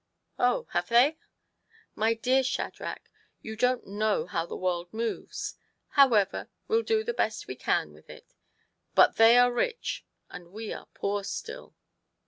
" Oh ! have they ?"" My dear Shadrach, you don't know how the world moves. However, we'll do the best we can with it. But they are rich, and we are poor still."